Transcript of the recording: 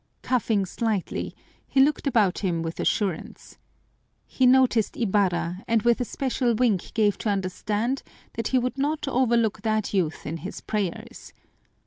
Coughing slightly, he looked about him with assurance. He noticed Ibarra and with a special wink gave to understand that he would not overlook that youth in his prayers.